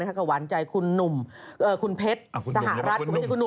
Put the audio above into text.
กับหวานใจคุณหนุ่มคุณเพชรสหรัตน์